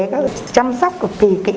cứ chăm sóc cực kỳ kỹ